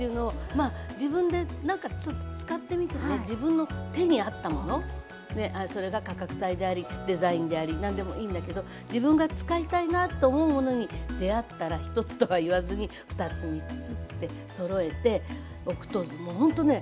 まあ自分でなんか使ってみてね自分の手に合ったものそれが価格帯でありデザインであり何でもいいんだけど自分が使いたいなと思うものに出合ったら１つとは言わずに２つ３つってそろえておくともうほんとね